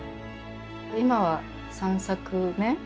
今は３作目？